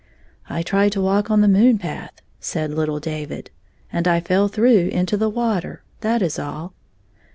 " I tried to walk on the moon path," said httle David, "and I fell through it into the water. That is all."